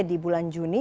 di bulan juni